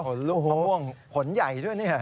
ขนลูกมะม่วงขนใหญ่ด้วยนี่ค่ะ